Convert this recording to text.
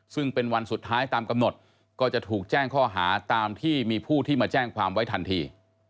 ซึ่งเป็นวันสุดท้ายตามกำหนดก็จะถูกแจ้งข้อหาตามที่มีผู้ที่มาแจ้งความไว้ทันที